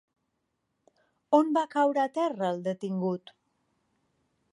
On va caure a terra el detingut?